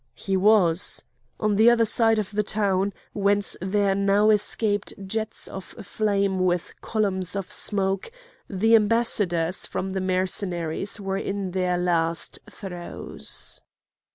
He was. On the other side of the town, whence there now escaped jets of flame with columns of smoke, the ambassadors from the Mercenaries were in their last throes.